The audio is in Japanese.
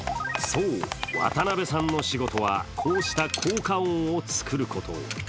そう、渡邊さんの仕事はこうした効果音を作ること。